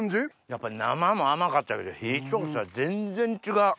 やっぱ生も甘かったけど火通したら全然違う。